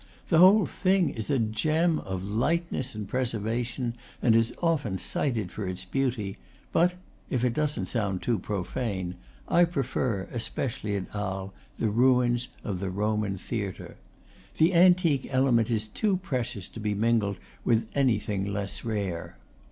The whole thing is a gem of lightness and preserva tion, and is often cited for its beauty; but if it doesn't sound too profane I prefer, especially at Arles, the ruins of the Roman theatre. The antique element is too precious to be mingled with anything less rare.